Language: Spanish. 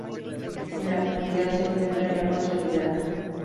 En la actualidad se encuentra ya consolidada.